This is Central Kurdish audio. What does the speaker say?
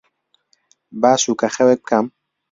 با سووکەخەوێک بکەم.